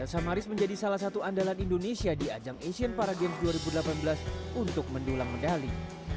jasa maris menjadi salah satu andalan indonesia di ajang asian para games dua ribu delapan belas untuk mendulang medali